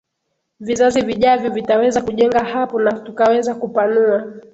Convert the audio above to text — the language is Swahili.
vizazi vijavyo vitaweza kujenga hapo na tukaweza kupanua